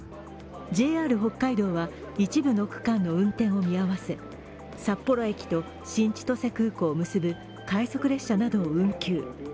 ＪＲ北海道は、一部の区間の運転を見合わせ、札幌駅と新千歳空港を結ぶ快速列車などを運休。